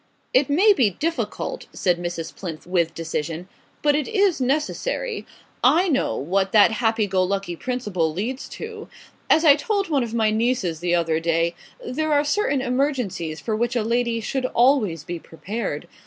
"It may be difficult," said Mrs. Plinth with decision, "but it is necessary. I know what that happy go lucky principle leads to. As I told one of my nieces the other day, there are certain emergencies for which a lady should always be prepared.